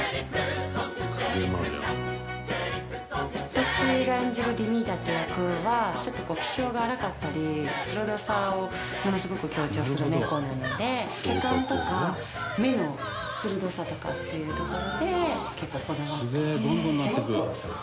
私が演じるディミータって役はちょっとこう気性が荒かったり鋭さをものすごく強調する猫なので毛感とか目の鋭さとかっていうところで結構こだわってます。